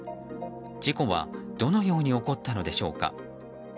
事故はどのように起こったのでしょうか。